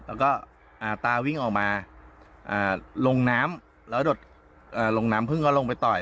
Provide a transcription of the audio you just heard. แล้วก็ตาวิ่งออกมาลงน้ำแล้วหดลงน้ำพึ่งก็ลงไปต่อย